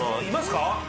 いますか？